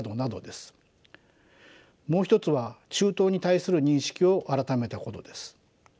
もう一つは中東に対する認識を改めたことです。